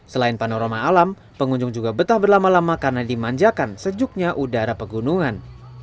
selain panorama alam pengunjung juga betah berlama lama karena dimanjakan sejuknya udara pegunungan